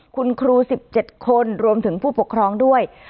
คุณครู๑๗คนรวมถึงผู้ปกครองด้วย